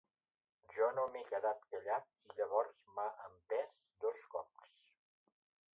Jo no m’he quedat callat i llavors m’ha empès dos cops.